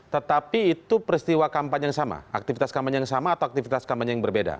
tetapi itu peristiwa kampanye yang sama aktivitas kampanye yang sama atau aktivitas kampanye yang berbeda